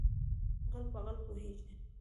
ـ غل په غل پوهېږي.